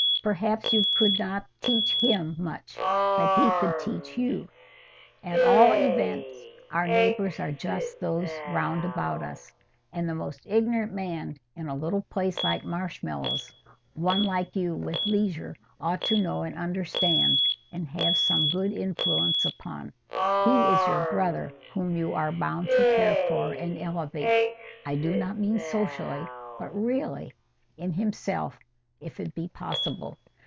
Perhaps you could not teach him much, but he could teach you. At all events, our neighbours are just those round about us. And the most ignorant man in a little place like Marshmallows, one like you with leisure ought to know and understand, and have some good influence upon: he is your brother whom you are bound to care for and elevate—I do not mean socially, but really, in himself—if it be possible.